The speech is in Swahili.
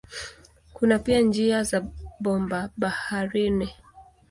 Kuna pia njia za bomba baharini.